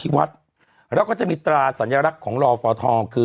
แล้วก็มีสัญลักษณ์ของรอฟอทอ